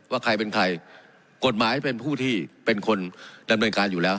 ว่าใครเป็นใครกฎหมายเป็นผู้ที่เป็นคนดำเนินการอยู่แล้ว